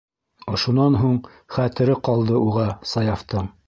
Ошонан һуң хәтере ҡалды уға Саяфтың.